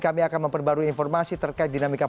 kami akan memperbarui informasi terkait dinamika